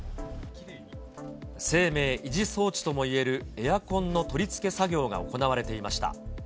生命維持装置ともいえるエアコンの取り付け作業が行われていました。